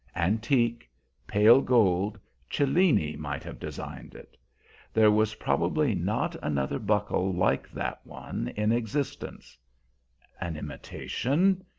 Antique, pale gold Cellini might have designed it. There was probably not another buckle like that one in existence. An imitation?